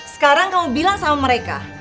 sekarang kalau bilang sama mereka